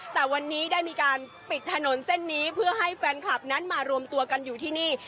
แต่วันนี้ได้มีการปิดถนนเส้นนี้เพื่อให้แฟนคลับนั้นมารวมตัวกันอยู่ที่นี่